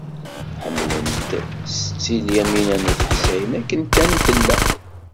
Ḥemmlent Setti Lyamina n At Ḥsayen akken kan tella.